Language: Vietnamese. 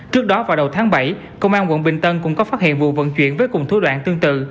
trước đó vào đầu tháng bảy công an quận bình tân cũng có phát hiện vụ vận chuyển với cùng thú đoạn tương tự